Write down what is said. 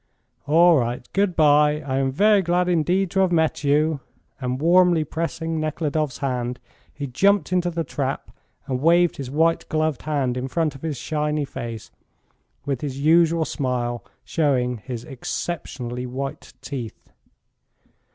"All right. Good bye. I am very glad indeed to have met you," and warmly pressing Nekhludoff's hand, he jumped into the trap and waved his white gloved hand in front of his shiny face, with his usual smile, showing his exceptionally white teeth.